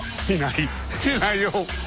いないよ。